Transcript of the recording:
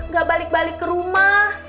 gak balik balik ke rumah